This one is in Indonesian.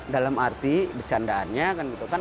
dalam arti bercandaannya kan gitu kan